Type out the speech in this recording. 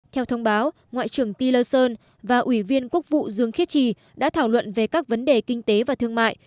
theo thông báo ngoại trưởng tiller và ủy viên quốc vụ dương khiết trì đã thảo luận về các vấn đề kinh tế và thương mại